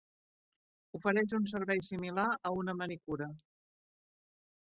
Ofereix un servei similar a una manicura.